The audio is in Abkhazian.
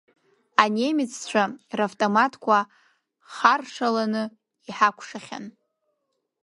Анемеццәа равтоматқәа хар-шаланы иҳакәшахьан.